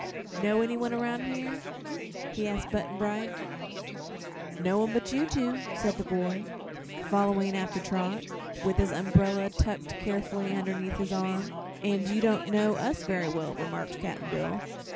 "Know anyone around here?" he asked Button Bright. "No one but you two," said the boy, following after Trot, with his umbrella tucked carefully underneath his arm. "And you don't know us very well," remarked Cap'n Bill.